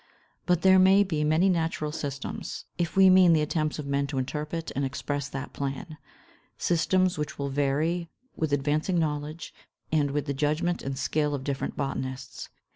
But there may be many natural systems, if we mean the attempts of men to interpret and express that plan, systems which will vary with advancing knowledge, and with the judgment and skill of different botanists.